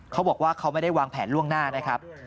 เขาบอกว่าเขาไม่ได้วางแผนล่วงหน้านะครับ